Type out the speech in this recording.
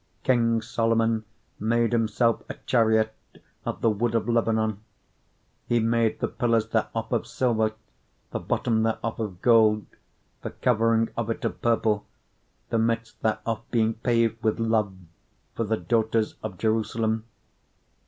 3:9 King Solomon made himself a chariot of the wood of Lebanon. 3:10 He made the pillars thereof of silver, the bottom thereof of gold, the covering of it of purple, the midst thereof being paved with love, for the daughters of Jerusalem.